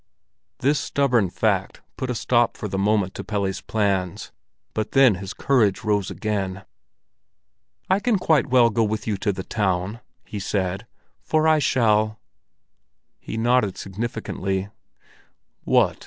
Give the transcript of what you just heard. This stubborn fact put a stop for the moment to Pelle's plans; but then his courage rose again. "I can quite well go with you to the town," he said. "For I shall——" He nodded significantly. "What?"